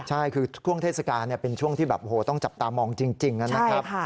ใช่คือช่วงเทศกาลเป็นช่วงที่แบบต้องจับตามองจริงนะครับ